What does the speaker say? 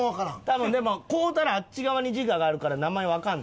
多分でも買うたらあっち側に字があるから名前わかるねん。